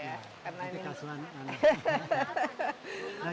karena ini kasuan anak